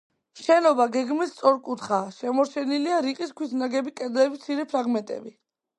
შენობა გეგმით სწორკუთხაა, შემორჩენილია რიყის ქვით ნაგები კედლების მცირე ფრაგმენტები.